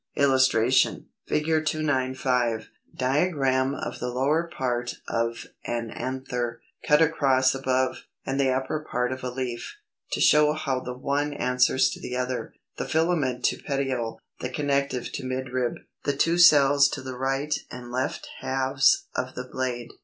[Illustration: Fig. 295. Diagram of the lower part of an anther, cut across above, and the upper part of a leaf, to show how the one answers to the other; the filament to petiole, the connective to midrib; the two cells to the right and left halves of the blade.